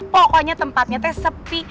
pokoknya tempatnya teh sepi